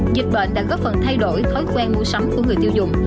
dịch bệnh đã góp phần thay đổi thói quen mua sắm của người tiêu dùng